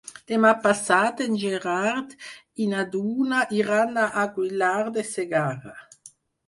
Demà passat en Gerard i na Duna iran a Aguilar de Segarra.